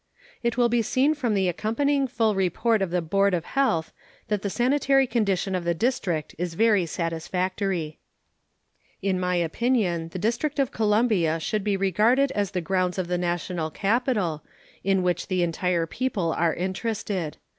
It will be seen from the accompanying full report of the board of health that the sanitary condition of the District is very satisfactory. In my opinion the District of Columbia should be regarded as the grounds of the national capital, in which the entire people are interested.